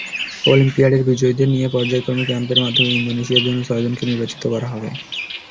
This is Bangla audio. অলিম্পিয়াডের বিজয়ীদের নিয়ে পর্যায়ক্রমে ক্যাম্পের মাধ্যমে ইন্দোনেশিয়ার জন্য ছয়জনকে নির্বাচিত করা হবে।